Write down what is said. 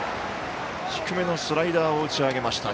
低めのスライダーを打ち上げました。